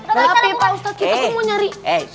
tapi pak ustadz kita tuh mau nyari